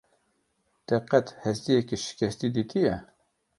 Te qet hestiyekî şikesti dîtiyî?